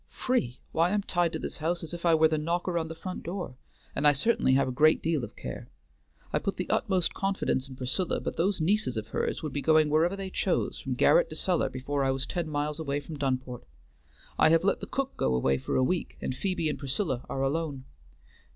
Free! why I'm tied to this house as if I were the knocker on the front door; and I certainly have a great deal of care. I put the utmost confidence in Priscilla, but those nieces of hers would be going wherever they chose, from garret to cellar, before I was ten miles away from Dunport. I have let the cook go away for a week, and Phoebe and Priscilla are alone.